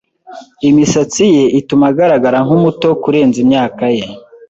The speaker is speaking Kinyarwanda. Imisatsi ye ituma agaragara nkumuto kurenza imyaka ye.